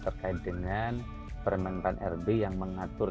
terkait dengan perempuan rd yang mengatur